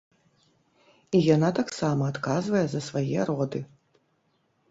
І яна таксама адказвае за свае роды.